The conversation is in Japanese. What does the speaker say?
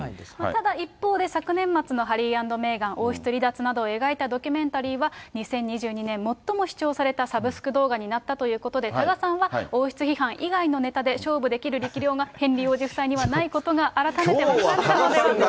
ただ、昨年末のハリー＆メーガン、王室離脱までを描いたドキュメンタリーは２０２０年、最も視聴されたサブスク動画になったということで、多賀さんは、王室批判以外のネタで勝負できる力量がヘンリー王子夫妻にはないことが改めて分かったのではと。